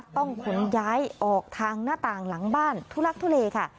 ต้องขนย้ายออกทางหน้าต่างหลังบ้านทุลักทุเลค่ะ